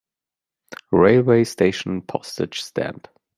Railway station Postage stamp.